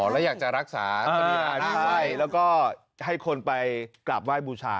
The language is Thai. อ๋อแล้วอยากจะรักษาสรีราใช่แล้วก็ให้คนไปกลับไหว้บูชา